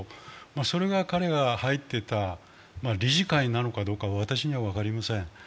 それが彼が入っていた理事会なのかどうか分かりません。